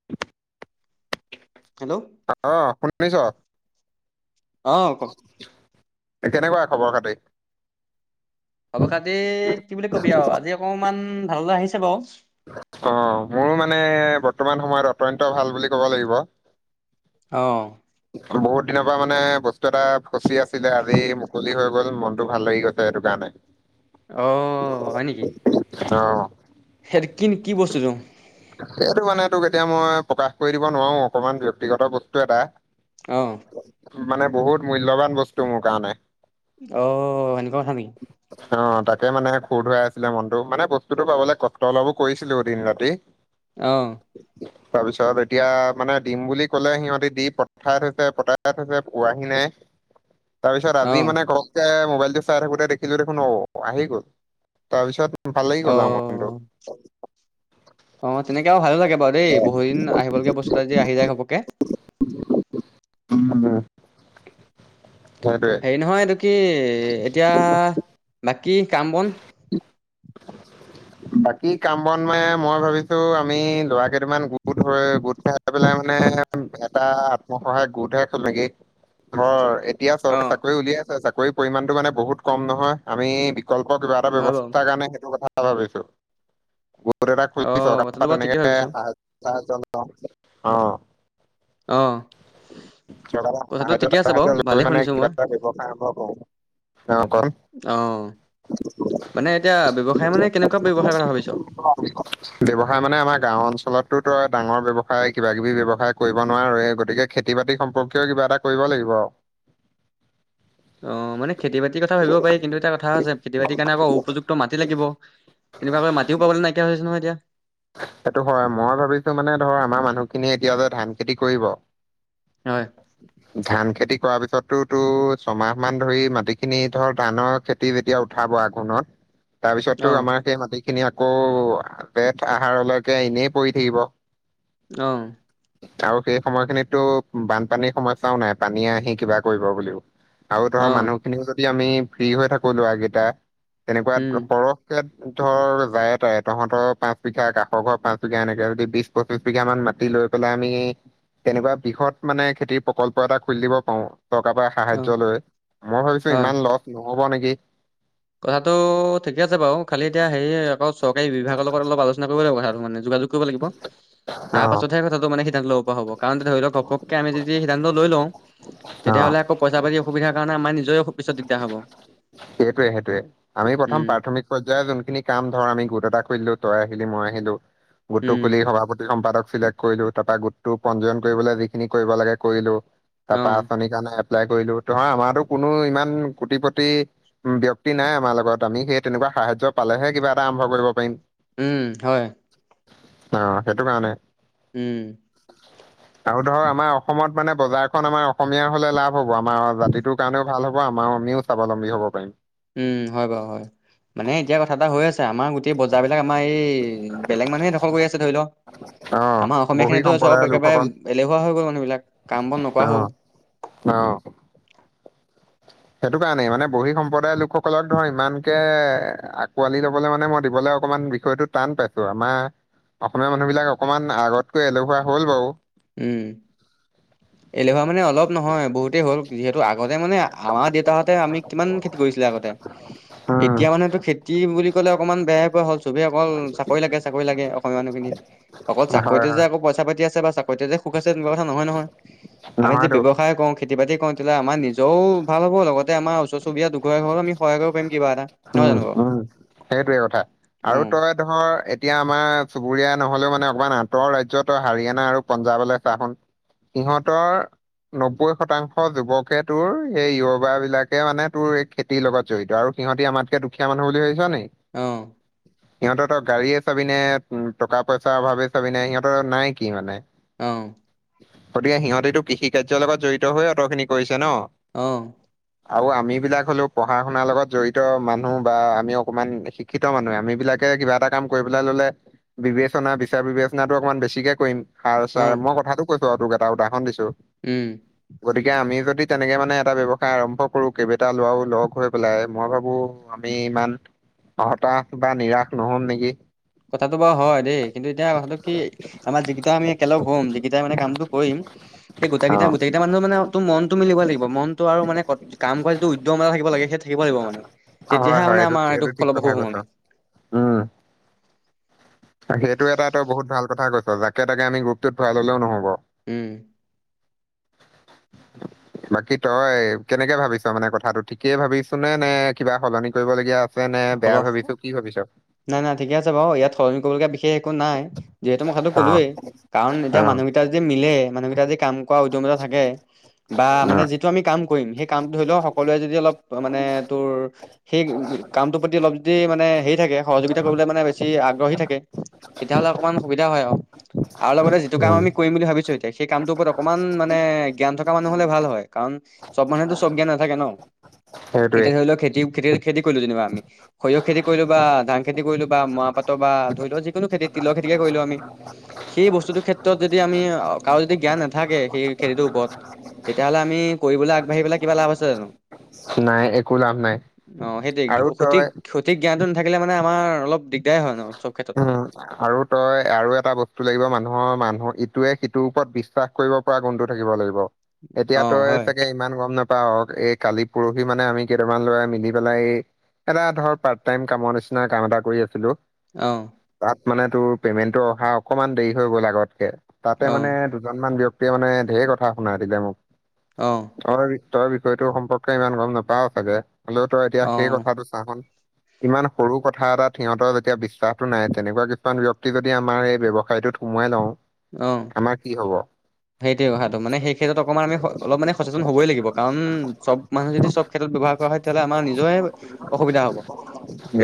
[inaudible] Hello. অ' শুনিছ? অ ক এ, কেনেকুৱা খবৰ খাতি? খবৰখাতি কি বুলি কবি, আৰু আজি অকনমান ভালে আহিছে বাৰু। অ' মোৰো মানে বৰ্তমান সময়ত অত্যন্ত ভাল বুলি ক'ব লাগিব। অ'। বহুত দিনৰপৰা মানে বস্তু এটা ফচি আছিলে, আজি মুকলি হৈ গ'ল, মনটো ভাল লাগি গ'ল। তে হেইটোকাৰনে। অ' হয় নেকি? অ'। হেইটো কিনো কি বস্তুটো? সেইটো মানে তোক এতিয়া মই প্ৰকাশ কৰি দিব নোৱাৰো, অকমান ব্যক্তিগত বস্তু এটা। অ'। মানে বহুত মূল্যবান বস্তু মোৰ কাৰণে। অ' এনেকুৱা কথা নেকি। [inaudible] অ' তাকে মানে খুৰ ধুৱাই আছিলে মনতটো, মানে বস্তুতটো পাবলৈ কষ্ট অলপো কৰিছিলোঁ দিন ৰাতি। অ'। [inaudible] তাৰপিছত এতিয়া মানে দিম বুলি কলে সিহঁতি দি পঠাই থৈছে পঠাই থৈছে পোৱাহি নাই। [unintelligible] তাৰপিছত অ আজি মানে ঘৰকে মোবাইলটো চাই থাকোতে দেখিলো দেখোন অ' আহি গ'ল। তাৰপিছত ভাল লাগি গ'ল আৰু মনটো। অ', অ' তেনেকে আৰু ভাল লাগে বাৰু। দেই বহুত দিন আহিবলগা বস্তুটো আজি আহি যায় ঘপককে। উম, সেইটোৱে। এই নহয় এইটো কি, এতিয়া বাকী কাম বন? বাকী কাম বন মানে মই ভাবিছোঁ আমি ল'ৰা কেইটামান গোট হৈ, গোট খাই পেলাই মানে এটা আত্মসহায়ক গোটহে খোল নেকি। ধৰ, এতিয়া অ চৰকাৰে চাকৰি উলিয়াইছে চাকৰি পৰিমাণতটো মানে বহুত কম নহয়। আমি, বিকল্প কিবা এটা হয় বাৰু ব্যয়ৱস্থাৰ কাৰণে সেইটো কথা ভাবিছোঁ। অ এটা কথাটো [inaudible] বাৰু তেনেকে ঠিকে ভাবিছ লওঁ অ, অ। [inaudible] কথাটো এটা ঠিকে আছে বাৰু ভালেই শুনিছো মই ব্যৱসায় আৰম্ভ কৰোঁ। অ, [inaudible] অ, মানে এতিয়া ব্যয়ৱসায় মানে কেনেকুৱা ব্যৱসায় কৰাথা ভাবিছ? [inaudible] ব্যৱসায় মানে আমাৰ গাঁও অঞ্চলতো তো ডাঙৰ ব্যয়ৱসায় কিবা কিবি ব্যৱসায় কৰিব নোৱাৰোৱে গতিকে খেতি বাতি সম্পৰ্কীয় কিবা এটা কৰিব লাগিব আৰু। অ, মানে খেতি বাতি কথা ভাবিব পাৰি কিন্তু এটা কথা আ খেতি বাতি কাৰণে আকৌ উপযোগ টো মাটতি লাগিব তেনেকুৱাৈ মিও পাবলৈ নাইকিয়া হৈছে নহয় এতিয়া। সেইটো হয় মই ভাবিছো মানে ধৰ আমাৰ মানুহখিনিয়ে এতিয়া যে ধান খেতি কৰিব, হয়, ধান খেতি কৰাৰ পিছতটো তো ছমাহ মান ধৰি মাটি খিনি ধৰ ধানৰ খেতি মাটি যেতিয়া উঠাব আঘোণত তাৰ পিছতো অ' আমাৰ সেই মাটি খিনি আকৌ আহাৰলৈকে এনেই পৰি থাকিব। অ, [inaudible] আৰু সেই সময়খিনিতো বানপানীৰ সমস্যাও নাই পানীয়ে আহি কিবা কৰিব বুলিও, আৰু ধৰ অ' মানুহখিনিও যদি আমি ফ্ৰী হৈ থাকো লোৱা কেইটা উম তেনেকুৱা সৰহ ধৰ যায় তাই তহঁতৰ পাঁচ বিঘা কষকৰৰ পাঁচ বিঘা এনেকে যদি বিশ পঁচিশ বিঘা মান মাটি লৈ পেলাই আমি তেনেকুৱা বৃহৎ মানে খেতিৰ প্ৰকল্প এটা খুলি দিব পাৰো, টকা পই অ' সাহা্য লৈ মই ভাবিছো ইমান লছ নহব নেকি? কথাাতটো ঠিকে আছে বাৰু খালি এতিয়া হে আকৌ চৰকাৰী বিভাগৰ লগত অলপ আলোচনা কৰিব লাগিব কথা আৰু মানে, যোগাযোগ কৰিব লাগিব। অ তাৰ পাছতহে কথাটো মানে সিদ্ধান্ত লব হব কাৰণ ধৰি লও ঘপকে আমি যদি সিদ্ধান্ত লৈ লওঁ, অ তেতিয়াহ'লে আইচাতি অসুবিধাৰ কাৰণে আমাৰ নিজয়ও পিছত দিগদাৰ হ'ব। সেইটোৱে সেইটোৱে আমি প্ৰথম উম প্ৰাথমিক পৰ্যয়ৰ যোনখিনি কাম ধৰ আমি গোট এটা কৰিলো তই আহিলি মই আহিলো, গুটটো উম খোলি সভাপতি সম্পাদক [inaudible] কৰিলো তাৰ পৰাা গোটতটো পঞ্জীয়ন কৰিবলৈ যিখিনি কৰিব লাগে কৰিলো তাৰ পৰা অ' আচনি স কাৰণে এপ্লাই কৰিলো ত আমাৰো কোনো ইমান কোটিপতি ব্যক্তি নাই আমাৰ লগত আমি সেই তেনেকুৱা সাহায্য পালেহে কিবা এটা আৰম্ভ কৰিব পাৰিম। উম, হয়। অ, সেইটো কাৰণে। উম, আৰু ধৰ আমাৰ অসমত মানে বজাৰখন আমাৰ অসমীয়াৰ হলে লাভ হ'ব, আমাৰ জাতিটোৰ কাৰণেও ভাল হ'ব আমাৰ আমিও স্বাৱলম্বী হ'ব পাৰিম। উম, হয়, বাৰু হয় মানে এতিয়া কথা এটা হৈ আছে আমাৰ গ এই বজাৰ বিলাক আমাৰ এই বেলেগ মানুহে দখল কৰি আছে ধৰি লওক। অ আমাৰ অসমীয়া বহি খিনিতো সম্প্ৰদায়ৰ চব লোকসকল একেবাৰে এলেহুৱা হৈ গ'ল মানুহ বিলাক কাম বন নকৰা হ'ল। অহ, সেইটো কাৰণেই মানে বহী সম্প্ৰদায়ৰ লোকসকলক ধৰ ইমান কেে আকোৱালি লবলৈ মানে মই দিবলৈ অকণমান বিষয়তো টান পাইছোঁ আমাৰ অসমীয়া মানুহ বিলাক অকনমান আগতকৈ এলেহুৱা হ'ল বাৰু। উম এলেভা মানে অলপ নহয় বহুতেই হ'ল যিহেতু আগতে মানে আমাৰ দেউতাহঁতে আমি কিমান খেতি কৰিছিলে আগতে। [inaudible] এতিয়া মানুহেটো খেতি বুলি ক'লে অকণমান বেয়াই পোৱা হ'ল, চবেই অকল চাকৰি লাগে চাকৰি লাগে অসমীয়া মানুহখিনি। অকল হয় চাকৰিতে যে হয় আকৌ পইচা পাতি আছে বা চাকৰিত যে সুখ আছে তেনেকুৱা কথা নহয়, নহয় আমি যি নহয়তো ব্যয়সায় কৰোঁ খেতি বাতি কৰোঁ তেতিয়াহ'লে আমাৰ নিজেও ভাল হ'ব লগতে আমাৰ ওচৰ চবুৰীয়া আমি সহায় কৰিব পাৰিম কিবা এটা, নহয় উম জানো উম সেইটোৱে কথা আৰু উম। তই ধৰ এতিয়া আমাৰ চুবুৰীয়া নহ'লেও মানে অকমান আঁতৰৰ ৰাজ্য হাৰিয়ানা আৰু পঞ্জাৱলৈ চা সিহঁতৰ নব্বৈ শতাংশ যুৱকে তোৰ সেই যুৱাবিলাকে মানে তোৰ খেতিৰ লগত জড়িত আৰু সিহঁতি আমাতকে দুখীয়া মানুহ বুলি ভাবিছ নেকি! অ'। [inaudible] সিহঁতৰ তই গাড়ীয়ে চাবিনে টকা পইচাৰ অভাৱে চাবিনে সিহঁতৰ নাই কি মানে! অ'। গতিকে সিহঁতেতো কৃষি কাৰ্যৰ লগত জড়িত হৈয়ে অত'খিনি কৰিছে ন! অ'। আৰু আমিবিলাক হ'লো পঢ়া শুনাৰ লগত জড়িত মানুহ বা আমি অকমান শিক্ষিত মানুহ আমিবিলাকে কিবা এটা কাম কৰিবলে ল'লে বিবেচনা বিচাৰ বিবেচনাটো অকণমান বেছিকে কৰিম। অ সাৰ-ছাৰ মই কথাটো কৈছোঁ আৰু তোক এটা উদাহৰণ দিছোঁ। উম। গতিকে আমি যদি তেনেকে মানে এটা ব্যৱসায় আৰম্ভ কৰোঁ কেইবেইটা ল'ৰাও লগ হৈ পেলাই মই ভাবো আমি ইমান হতাশ বা নিৰাশ নহ'ম নেকি! কথাটো বাৰু হয়। দেই, কিন্তু এতিয়া কথাটো কি আমাৰ যিকেইটা আমি একেলগ হ'ম যিকেইটাই মানে কামটো কৰিম সেই অ', গোটেকেইটা-গোটেকেইটা মানুহৰ মানে মনটো মিলিব লাগিব মনটো আৰু মানে কাম কৰা যিটো উদ্যম এটা থাকিব লাগে সেইটো থাকিব লাগিব মানে হয় তেতিয়াহে হয় মানে আমাৰ এইটো ঠিক কথা ফলপসু হ'ম কৈছ। মানে। তাকে সেইটো এটা তই বহুত ভাল কথা কৈছ যাকে তাকে আমি গ্ৰুপটোত ভৰাই ল'লেও নহ'ব। [inaudible] উম বাকী তই কেনেকে ভাবিছ মানে কথাটো, ঠিকেই ভাবিছ নে, নে কিবা সলনি কৰিবলগীয়া আ নে বেয়া ফল ভাবিছোঁ কি ভাবিছ? নাই, নাই ঠিকে আছে বাৰু। ইয়াত সলনি কৰিবলগীয়া বিশেষ একো নাই। যিহেতু মই কথাটো অ', ক'লোৱেই কাৰণ এতিয়া অ', মানুহ যদি মিলে মানুহকেইটা যদি কাম কৰা উদ্যমিতা থাকে বা মানে অ', যি টো আমি কাম কৰিম সেই কামটো ধৰি ল' সকলোৱে যদি অলপ মানে তোৰ সেই কামটোৰ প্ৰতি অলপ যদি মানে হেৰি থাকে, সহযোগিতা কৰিবলৈ মানে বেছি আগ্ৰহী থাকে। তেতিয়াাহ'লে অকণমান সুবিধা হয়, আৰু, আৰু লগতে যিটো কাম উম, আমি কৰিম বুলি ভাবিছোঁ সেই কামটোৰ ওপৰত অকমান মানে জ্ঞান থকা মানুহ হলে ভাল হয়, কাৰণ চব মানুহেতো চব জ্ঞান নাথাকে ন! সেইটোৱে এতিয়া ধৰি ল' খেতি, খেতি, খেতি কৰিলোঁ আমি সৰিয়হ খেতি কৰিলোঁ বা ধান খেতি কৰিলোঁ বা ম'ৰাপাটৰ বা ধৰি লওঁ যিকোনো খেতিত তিলৰ খেতিকে কৰিলোঁ আমি, সেই বস্তুটোৰ ক্ষেত্ৰত যদি আমি কাৰো যদি জ্ঞান নাথাকে সেই খেতিটোৰ ওপৰত তেতিয়াহ'লে আমি কৰিবলৈ আগবাঢ়ি পেলাই কিবা লাভ আছে জানো! নাই, একো লাভ নাই। অ', সেইটো আৰু সঠিক, তই সঠিক জ্ঞানতটো নাথাকিলে মানে আমাৰ অলপ দি উম, আৰু তই আৰু এটা বস্তু লাগিব মানুহৰ, মানুহ ইটোৱে সিটোৰ ওপৰত বিশ্বাস কৰিব পৰা গুণটো থাকিব লাগিব। এতিয়া অ তই হয় চাগে ইমান গম নাপাওঁ এই কালি পৰহি মানে আমি কেইটামান ল'ৰা মিলি পেলাই এই এটা ধৰ পাৰ্ট টাইম কামৰ নিচিনা কাম এটা কৰি আছিলোঁ। অ'। তাত মানে তোৰ পেমেন্টটো অহা অকমান দেৰি হৈ গ'ল আগতকে, তাতে অ মানে দুজনমান ব্যক্তিয়ে মানে ধেৰ কথা শুনাই দিলে মোক। অ'। তই তই বিষয়টো সম্পৰ্কে ইমান গম নাপাও চাগে হলেও তই এতিয়া অ সেই কথাটো ইমান সৰু কথা এটাত সিহঁতৰ যেতিয়া বিশ্বাসটো নাই তেনেকুৱা কিছুমান ব্যক্তি যদি আমাৰ স ব্যসায়টোত সোমোৱাই লওঁ অ'। আমাৰ কি হ'ব। সেইটোৱে কথাটো মানে, সেই ক্ষেত্ৰত অকণমান আমি অলপ মে সচেতন হবই লাগিব! কাৰণ চব মানুহ যদি চব ক্ষেত্ৰত ব্যৱহাৰ কৰা হয় তেতিয়াহ'লে আমাৰ নিজৰে অসুবিধা হ'ব।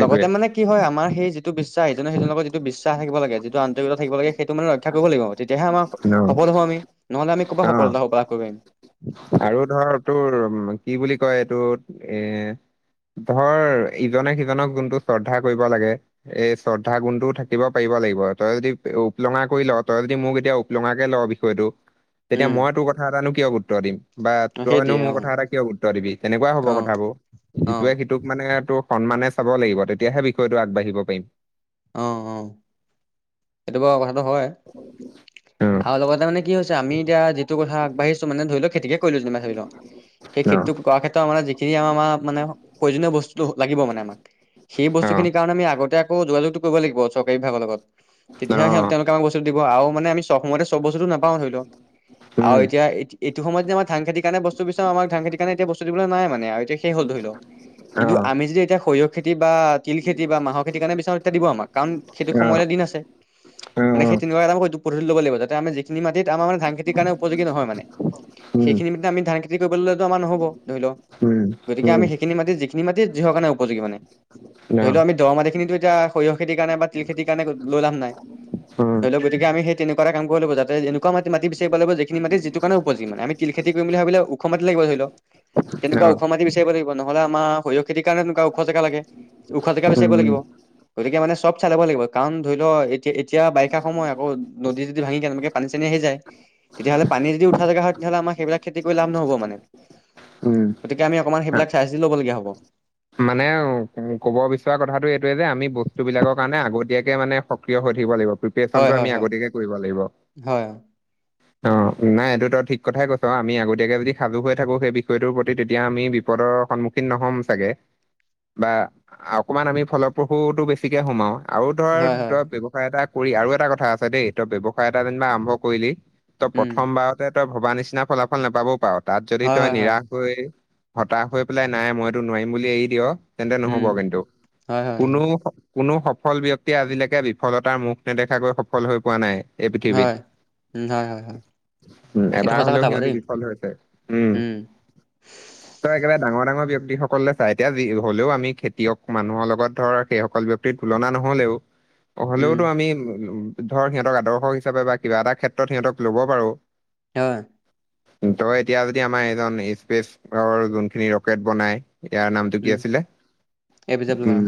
লগতে মানে কি হয় আমাৰ সেই যটো বিশ্বাস ইজনে সিজনৰ লগত যিটো বিশ্বাস থাকিব লাগে যিটো আন্তৰিকতা থাকিব লাগে সেইটো মানে ৰক্ষা কৰিব লাগিব তেতিয়াহে আমা অ', সফল হওঁ আমি নহলে আমি ক'ৰবাত অ', সফলতা হ'ব পৰা কৰিবম। আৰু ধৰ তোৰ কি বুলি কয় এইটো এ ধৰ, ইজনে সিজনক যোনটো শ্ৰদ্ধা কৰিব লাগে এই শ্ৰদ্ধা গুণটোও থাকিব পাৰিব লাগিব! তই যদি উপলঙা কৰি ল, তই যদি মোক এতিয়া উপলুঙাকে ল বিষয়টো তেতিয়া উম মই তোৰ কথা এটানো কিয় গুৰুত্ব দিম! বা অ তই নো সেইটোৱে মোৰ অ কথা এটা কিয় গুৰুত্ব দিবি! কেনেকুৱা হ'ব অ কথাবোৰ অ ইটোৱে সিটো মানে তোৰ সন্মানে চাব লাগিব তেতিয়াহে বিষয়টো আগবাঢ়িব পাৰিম। অ', অ'। সেইটো বা ও কথাটো হয় অ আও লগতে মানে কি হৈছে আমি এতিয়া! যিট কথা আগবাঢ়ছো মানে ধৰি লও খেতিক কৰিলো যে ধৰি লও সেই খেতিটো কৰ ক্ষেতত আমাৰ যিখিনি আমাৰ মানে প্ৰয়োজনীয় বস্তু লাগিব মানে আমাক সেই বস্তু অ খিনি অ কাৰণে আমি আগতে যোগাযোগটো কৰিব লাগিব চৰকাৰী বিভাগৰ লগত। তেতিয়া অ সি তেওঁলোকে আমাক বস্তুটো দিব আৰু মানে আমি চব সময়তে চব বস্তুতটো নাপাওঁ ধৰি লওক আও উম এতিয়া এইটো সময় যে আমা ধান খেতি কাৰণ বস্তু বিচাৰো আমা ধান খেতি কাৰণে এতিয়া বস্ত দিব ন মানে আৰু এয়া শেষ হল ধৰি লও। অ কিন্তু, আমি যদি এতিয়া সঁয়িহ খেতি বা তিল খেতি বা মাহ খেতি কাৰণে বিচা এ তেতিয়া দিব আমাৰ কাৰণ খেতিৰ অ সময়তে দিন আছে! [inaudible] মানে সেই তেনেকুৱা এটা হ'ব! আমি যিখিনি মাটিত আমা মানে ধান খেতি কাৰণে উপযোগী নহয় মানে? উম সেইখিনি মাটি তে আমি ধান খেতি কৰিব ললে আমাৰ নহ'ব ধৰি লও, উম গতিকে উম আমি সেইখিনি মাটিত যিখিনি মাটি যিহ কাৰণে উপযোগী মানে? অ ধৰি লও, আমি দৰ মাটি খিনিতো এতিয়া সৰিয়হ খেতিৰ কাৰণে তিল খেতিৰ কাৰণে লৈ লাভ নাই! হয়। ধৰি লক গতিকে আমিই তেনেকুৱা এ কাম কৰিব ল যাতে একুৱা মাট বিচাৰিব লাগিব! যিখিন মাটি যিটো কাৰণে উপযোগী! তি ল খেতি কৰিম বুলি ভাবিলে উখ মাটি লাগিব ধৰি লও! তেনেকুৱা অ ওখ মাটবিচাৰিব লাগিব নহলে আমা শৰিয়হ খেতিৰ কাৰে তেনেুৱা ওখ জেগা লাগে! ওখ জেগা বিচাৰিব উম লাগিব! গতিকে মানে চব চায় লব লাগিব! কাৰণ ধৰি লও, এতিয়া এতিয়া বাৰিষা সময় আকৌ নদী চদি ভাঙি কে পানী চানী আহি যায়! তেতিাহ'লে পানী যদি উঠা জেগা হয়! তেতিয়'লে আমা সেই বিলাক খেতি কৰি লাভ নায়। উম। গতিকে আমি অঁকণ মান সেইবিলাক চায় চিতি ল'ব লাগে। মানে ক'ব বিচৰা কথাটো এইটোয়ে যে আমি বস্তু বিলাকৰ কাৰণে আগতীয়াকে মানে সক্ৰিয় হৈ থাকিব লাগিব। সেই হয় কামতো হয় আমি হয় আগতীয়াকৈ কৰিব লাগিব। হয় অ, নাই এইটোতো ঠিক কথাই কৈছ আমি আগতীয়াকে যদি সাজু হৈ থাকো সেই বিষয়টোৰ প্ৰতি তেতিয়া আমি বিপৰ সন নহ'ম চাগে। বা অকমান আমি ফলপ্ৰসুতটো বেছিকে সোমাও আৰু ধৰ, হয় হয় ধৰ তই ব্যৱসায় এটা কৰি আৰু এটা কথা আছে দেই তই ব্যৱসায় এটা যেনিবা আৰম্ভ কৰিলি ত উম প্ৰথম বাৰত তই ভবা নিচিনা ফলাফল নাপাবও পাৰ তাত যদি হয় তই হয় হয় নিৰাশ হতাশ হৈ পেলাই নাই মই টো নোৱাৰিম বুলি এৰি দিয়! তেন্তে নহ'ব উম কিন্তু, হয় হয় হয় কোনো কোনো সফল ব্যক্তিয়ে আজিলৈকে বিফলতাৰ মুখ নেদেখাকৈ সফল হৈ পোৱা নাই। এই পৃথিৱীত। হয়, হয়, হয়, হয়! উ, এইটো এবাৰ সঁচা হলেও কথা বাৰু সিহঁতি দেই বিফল হৈছে, উম। একেবাৰে ডাঙৰ ডাঙৰ ব্যক্তিসকলে চাই! এতিয়া যি হলেও আমি খেতিয়ক মানুহৰ লগত ধৰ সেইসকল ব ব্যক্তিৰ তুলনা নহলেও! উম হলেওতো আমি উ ধৰ সিহঁতক আদৰ্শ হিচাপে বা কিবা এটা ক্ষেত্ৰত সিহঁতক লব পাৰো! হয় তই এতিয়া যদি আমাৰ এজন স্পেচৰ যোনখিনি ৰকেট বনাই ইয়াৰ নাম কি উম আছিলে এ পি জে আব্দুল উম কালাম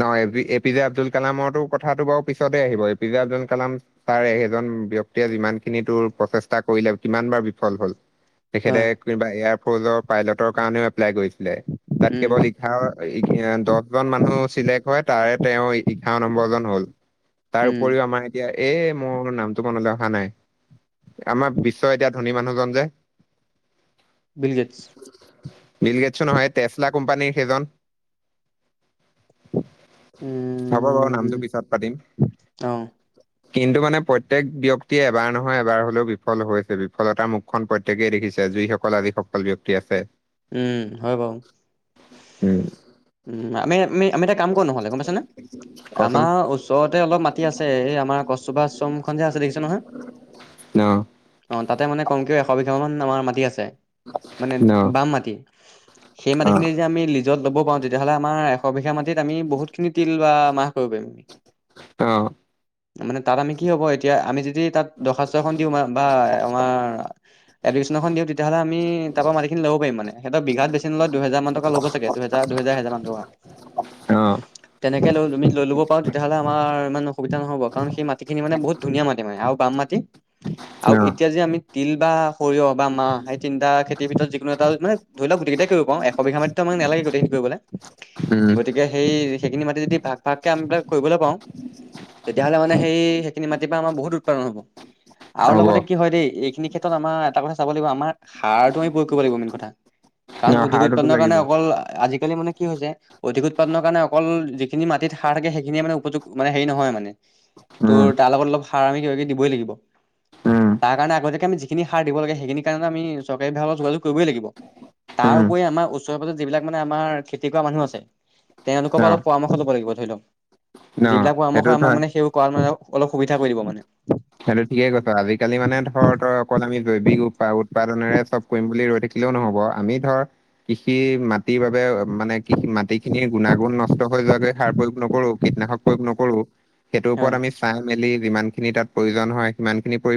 নহয় এ পি জে আব্দুল কালামৰটো কথাটো বাৰু পিছতেই আহিব A P J Abdul Kalam তাৰে সেইজন ব্যক্তিয়ে যিমান খিনি তোৰ প্ৰচেষ্টা কৰিলে কিমান বাৰ বিফল হল তেখেতে হয় কিবা এয়াৰফৰ্চৰ পাইলটৰ কাৰণেও এপ্লাই কৰিছিলে তাত উম কেৱল এঘাৰ দহজন মানুহ চিলেক্ট হয় তাৰে তেওঁ এঘাৰ নম্বৰ জন হ'ল তাৰ উম উপৰিও আমাৰ এতিয়া এই মোৰ নামটো মনলৈ অহা নাই আমাৰ বিশ্ব এতিয়া ধনী মানুহজন যে বিলগেটছ বিল গেটছো নহয় সেই টেচলা কোম্পানীৰ সেইজন হ'ব বাৰু উম নামটো পিছত পাতিম অ কিন্তু মানে প্ৰত্যেক ব্যক্তিয়ে এবাৰ নহয় এবাৰ হলেও বিফল হৈছে বিফলতাৰ মুখ খন প্ৰত্যেকেই দেখিছে যিসকল আজি সফল ব্যক্তি আছে উম হয় বাৰু ঠিক আছে উম আমি আমি আমি এটা কাম কৰো নহ'লে গম পাইছা নে কচোন আমাৰ ওচ ৰতে অলপ মাটি আছে এই আমাৰ গছজোপা আশ্ৰমখন যে আছে দেখিছে নহয় অ অ তাতে মানে কমকেও এশ বিঘামান আমাৰ মাটি আছে মানে ন বাম মাটি সেই অ মাটিখিনি যে আমি লি য'ত ল'ব পাৰো তেতিয়াহ'লে আমাৰ এশ বিঘা মাটিত আমি বহুতখিনি তিল বা মাহ কৰিব পাৰিম অ মানে তাত আমি কি হ'ব এতিয়া আমি যদি তাত দৰ্খাস্ত এখন দিও বা আমাৰ এপ্লিকেচন এখন দিও তেতিয়াহলে আমি তাৰপৰা মাটি লব পাৰিম মানে হঁতৰ বিঘাত বেছি নলয় দুহেজাৰমান টকা ল'ব ছাগে দুহেজাৰ দুহেজাৰ এহেজাৰমান টকা অ তেনেকে লৈ তুমি লৈ ল'ব পাৰো তেতিয়াহলে আমাৰ ইমান অসুবিধা নহ'ব কাৰণ সেই মাটিখিনি মানে বহুত ধুনীয়া মাটি মানে আৰু বাম মাটি ন আৰু এতিয়া যে আমি তিল বা সঁৰিয়হ বা মাহ সেই তিনটা খেতিৰ ভিতৰত যি কোনো এটা মানে ধৰি লওক গোটেইকিটাই কৰিব পাৰো এশ বিঘা মাটিটো আমাক নালাগে গোটেইখিনি কৰিবলৈ উম গতিকে এই সেই সেইখিনি মাটি যদি ভাগ ভাগকে আমি বিলাক কৰিবলৈ পাওঁ তেতিয়াহ'লে মানে সেই সেইখিনি মাটিৰ পৰা আমাৰ বহুত উৎপাদন হ'ব আৰু হ'ব লগতে কি হয় দেই এইখিনি ক্ষেত্ৰত আমাৰ এটা কথা চাব লাগিব আমাৰ সাৰটো আমি প্ৰয়ো ক কৰিব লাগিব মেইন কথা ন কাৰণ অধিক সাৰটোতো উৎপাদনৰ লাগিবই কাৰণে আজিকালি মানে কি হৈছে অধিক উৎপাদনৰ কাৰণে অকল যিখিনি মাটিত সাৰ থাকে সেইখিনিয়ে মানে উপযোগ মানে হেৰি নহয় মানে উম ত' তাৰ লগত অলপ সাৰ আমি কিবা কিবি দিবই লাগিব উম তাৰ কাৰণে আগতীয়াকে আমি যিখিনি সাৰ দিব লাগে সেইখিনি কাৰণে আমি চৰকাৰী বিভাগক যোগযোগ কৰিবই লাগিব তাৰ উম উপৰি আমাৰ ওচৰে পাঁজৰে যিবিলাক মানে আমাৰ খেতি কৰা মানুহ আছে তেওঁলোকৰ ন পৰা অলপ পৰামৰ্শ লব লাগিব ধৰি লওক ন যিবিলাক সেইটো পৰামৰ্শই থ আমাক মানে সেইবোৰ কৰাত মানে অলপ সুবিধা কৰি দিব মানে সেইটো ঠিকেই কৈছা আজিকালি মানে ধৰ তই অকল আমি জৈৱিক উৎপাদনেৰে চব কৰিম বুলি ৰৈ থাকিলেও নহব আমি ধৰ কৃষি মাটি মাটিৰ বাবে মানে কি মাটি খিনিৰ গুণাগুণ নষ্ট হৈ যোৱাকৈ সাৰ প্ৰয়োগ নকৰো কীটনাশক প্ৰয়োগ নকৰো সেইটোৰ ওপৰত হয়। আমি চাই মেলি যিমান খিনি তাত প্ৰয়োজন হয় সিমান খিনি পৰিমা